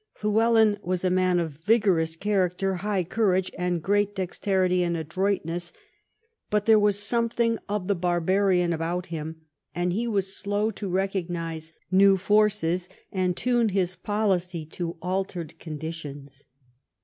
Llywelyn was a man of vigorous character, high courage, and great dexterity and adroitness, but there was something of the barbarian about him, and he was slow to recognise new forces and tune his policy to altered conditions.